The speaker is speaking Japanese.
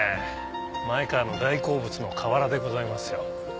前川の大好物の河原でございますよ。